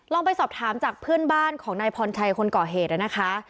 ไปสอบถามจากเพื่อนบ้านของนายพรชัยคนก่อเหตุนะคะ